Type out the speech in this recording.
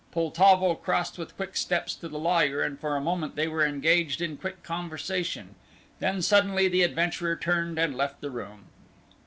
Poltavo crossed with quick steps to the lawyer, and for a moment they were engaged in quick conversation; then suddenly the adventurer turned and left the room.